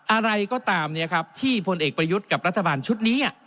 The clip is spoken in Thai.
อะไรก็ตามที่พลเอกประยุทธ์กับรัฐบาลชุดนี้